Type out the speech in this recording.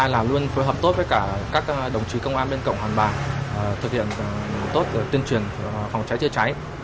a là luôn phối hợp tốt với các đồng chí công an bên cộng hoàn bản thực hiện tốt tiên truyền phòng cháy chế cháy